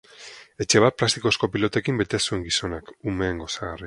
Etxe bat plastikozko pilotekin bete zuen gizonak, umeen gozagarri.